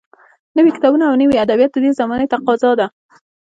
نوي کتابونه او نوي ادبیات د دې زمانې تقاضا ده